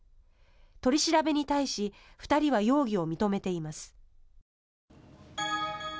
取り調べに対し２人は容疑を認めています。